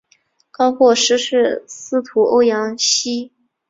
高获师事司徒欧阳歙。